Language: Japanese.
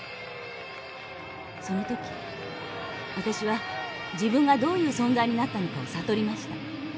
その時私は自分がどういう存在になったのかを悟りました。